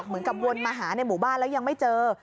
เหมือนกับวนมาหาในหมู่บ้านแล้วยังไม่เจอ